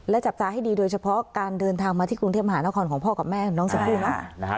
และจับตาให้ดีโดยเฉพาะการเดินทางมาที่กรุงเทพมหานครของพ่อกับแม่ของน้องชมพู่นะ